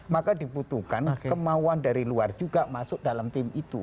maka dibutuhkan kemauan dari luar juga masuk dalam tim itu